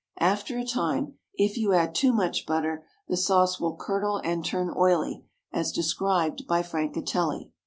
After a time, if you add too much butter, the sauce will curdle and turn oily, as described by Francatelli.